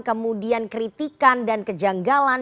kemudian kritikan dan kejanggalan